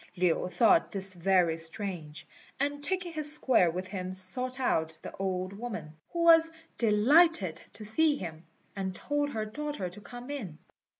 Lin thought this very strange; and taking his square with him sought out the old woman, who was delighted to see him, and told her daughter to come in.